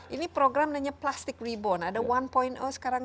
ini program namanya plastic reborn ada satu sekarang dua